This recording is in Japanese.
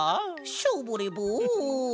ショボレボン。